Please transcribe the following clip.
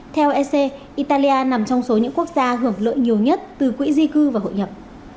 theo ec italia nằm trong số những quốc gia hưởng lợi nhiều nhất từ quỹ di cư và hội nhập